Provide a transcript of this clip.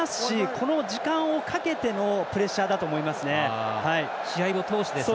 この時間をかけてのプレッシャーだと思いますね。